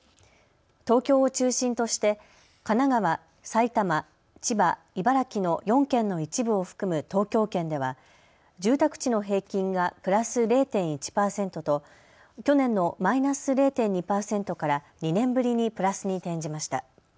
東京を中心として神奈川、埼玉、千葉、茨城の４県の一部を含む東京圏では住宅地の平均がプラス０．１％と去年のマイナス０．２％から２年ぶりにプラスに転じました。